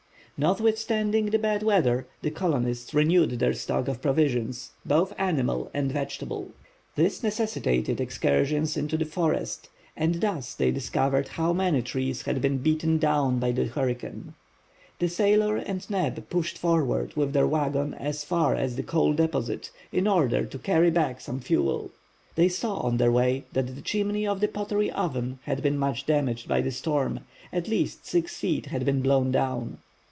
Notwithstanding the bad weather the colonists renewed their stock of provisions, both animal and vegetable. This necessitated excursions into the forest, and thus they discovered how many trees had been beaten down by the hurricane. The sailor and Neb pushed forward with their wagon as far as the coal deposit in order to carry back some fuel. They saw on their way that the chimney of the pottery oven had been much damaged by the storm; at least six feet had been blown down.